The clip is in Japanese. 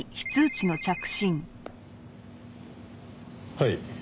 はい。